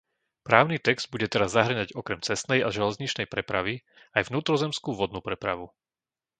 Právny text bude teraz zahŕňať okrem cestnej a železničnej prepravy aj vnútrozemskú vodnú prepravu.